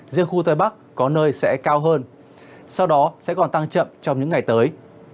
riêng khu tây bắc có nơi sẽ cao hơn sau đó sẽ còn tăng chậm trong những ngày tới